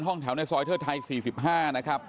ห้องแถวในซอยเทิดไทย๔๕นะครับ